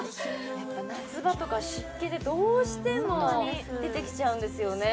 やっぱ夏場とか湿気でどうしても出てきちゃうんですよね